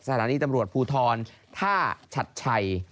สถานีตำรวจภูทรท่าชัดชัย